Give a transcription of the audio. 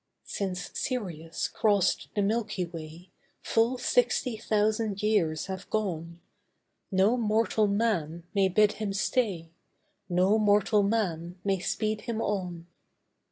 Since Sirius crossed the Milky Way Full sixty thousand years have gone, No mortal man may bid him stay, No mortal man may speed him on.